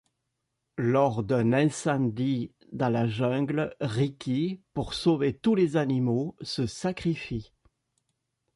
Lors d'un incendie dans la Jungle, Ricky, pour sauver tous les animaux, se sacrifie.